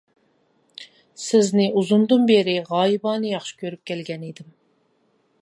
سىزنى ئۇزۇندىن بېرى غايىبانە ياخشى كۆرۈپ كەلگەن ئىدىم.